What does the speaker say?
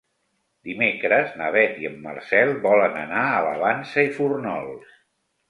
Dimecres na Beth i en Marcel volen anar a la Vansa i Fórnols.